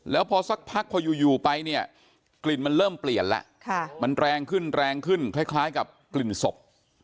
แล้วพอสักพักพออยู่ไปเนี่ยกลิ่นมันเริ่มเปลี่ยนแล้วมันแรงขึ้นแรงขึ้นคล้ายกับกลิ่นศพ